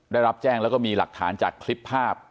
ได้รับแจ้งแล้วก็มีหลักฐานจากคลิปภาพ